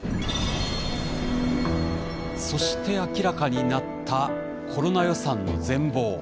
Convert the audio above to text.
そして明らかになったコロナ予算の全貌。